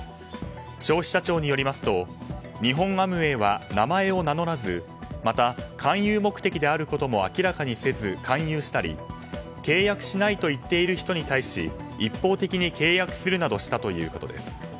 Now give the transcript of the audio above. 消費者庁によりますと日本アムウェイは名前を名乗らずまた勧誘目的であることも明らかにせず勧誘したり契約しないと言っている人に対し一方的に契約するなどしたということです。